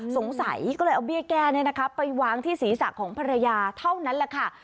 สงสัยก็เลยเอาเบี้ยแก้ไปวางที่ศีรษะของภรรยาเท่านั้นแหละค่ะ